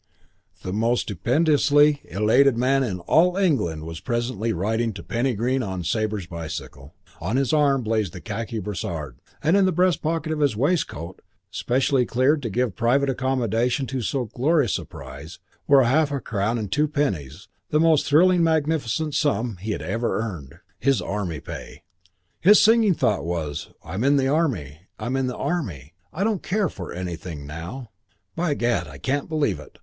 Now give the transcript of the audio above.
VIII The most stupendously elated man in all England was presently riding to Penny Green on Sabre's bicycle. On his arm blazed the khaki brassard, in the breast pocket of his waistcoat, specially cleared to give private accommodation to so glorious a prize, were a half crown and two pennies, the most thrillingly magnificent sum he had ever earned, his army pay. His singing thought was, "I'm in the Army! I'm in the Army! I don't care for anything now. By gad, I can't believe it.